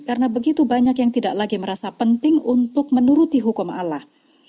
karena begitu banyak yang tidak lagi merasa penting untuk menuruti hukum allah